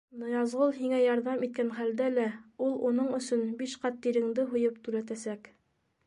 Ныязғол һиңә ярҙам иткән хәлдә лә ул уның өсөн биш ҡат тиреңде һуйып түләтәсәк.